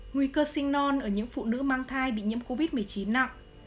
nguy cơ sinh non ở những phụ nữ mang thai bị nhiễm covid một mươi chín nặng